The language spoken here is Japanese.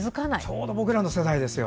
ちょうど僕らの世代ですよ。